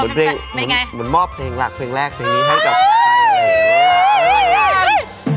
เพลงเหมือนมอบเพลงหลักเพลงแรกเพลงนี้ให้กับใครเลย